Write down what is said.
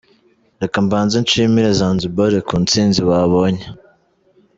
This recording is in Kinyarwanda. Reka mbanze nshimire Zanzibar ku ntsinzi babonye.